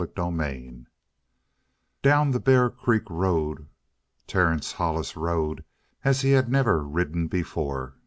CHAPTER 17 Down the Bear Creek road Terence Hollis rode as he had never ridden before.